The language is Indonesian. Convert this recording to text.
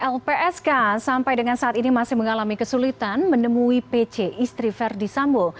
lpsk sampai dengan saat ini masih mengalami kesulitan menemui pc istri verdi sambo